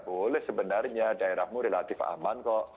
boleh sebenarnya daerahmu relatif aman kok